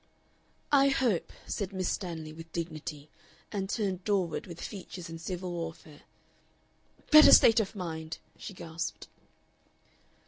"I hope," said Miss Stanley, with dignity, and turned doorward with features in civil warfare. "Better state of mind," she gasped....